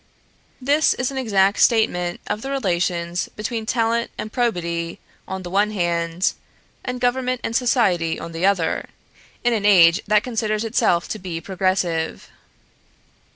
This is an exact statement of the relations between Talent and Probity on the one hand, and Government and Society on the other, in an age that considers itself to be progressive.